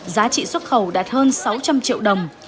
giá trị xuất khẩu đạt hơn sáu trăm linh triệu đồng